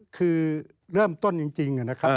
คือเริ่มต้นจริงนะครับ